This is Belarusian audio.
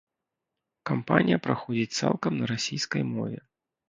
Кампанія праходзіць цалкам на расійскай мове.